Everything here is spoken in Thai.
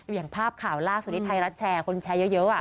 อย่างภาพข่าวล่าสุดที่ไทยรัฐแชร์คนแชร์เยอะ